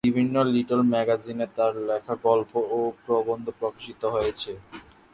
বিভিন্ন লিটল ম্যাগাজিনে তাঁর লেখা গল্প ও প্রবন্ধ প্রকাশিত হয়েছে।